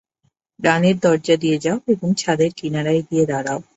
ডানের দরজা দিয়ে যাও এবং ছাদের কিনারায় গিয়ে দাঁড়াও।